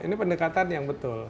ini pendekatan yang betul